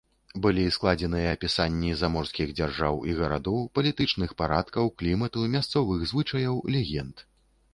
Былі складзеныя апісанні заморскіх дзяржаў і гарадоў, палітычных парадкаў, клімату, мясцовых звычаяў, легенд.